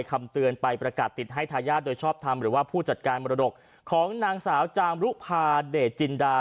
คำเตือนไปประกาศติดให้ทายาทโดยชอบทำหรือว่าผู้จัดการมรดกของนางสาวจามรุภาเดชจินดา